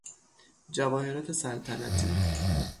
جواهرات سلطنتی